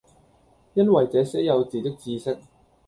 因爲這些幼稚的知識，